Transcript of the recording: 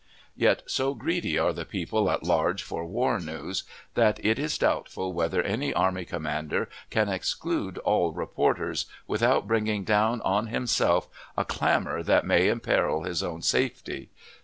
Yet, so greedy are the people at large for war news, that it is doubtful whether any army commander can exclude all reporters, without bringing down on himself a clamor that may imperil his own safety.